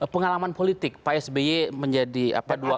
pengalaman politik pak sby menjadi apa dua